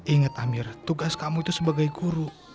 ingat amir tugas kamu itu sebagai guru